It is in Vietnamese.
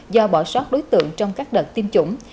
do bỏ sót đối tượng trong các đợt tiêm chủng